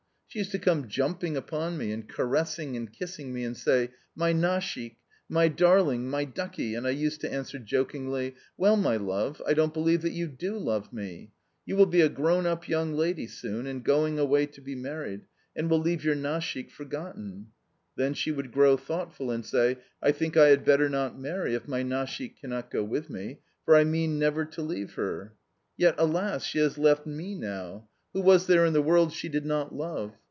She used to come jumping upon me, and caressing and kissing me, and say, 'MY Nashik, MY darling, MY ducky,' and I used to answer jokingly, 'Well, my love, I don't believe that you DO love me. You will be a grown up young lady soon, and going away to be married, and will leave your Nashik forgotten.' Then she would grow thoughtful and say, 'I think I had better not marry if my Nashik cannot go with me, for I mean never to leave her.' Yet, alas! She has left me now! Who was there in the world she did not love?